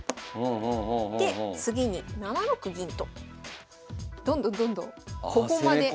で次に７六銀とどんどんどんどん小駒で。